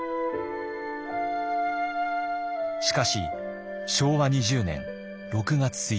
しかし昭和２０年６月１日。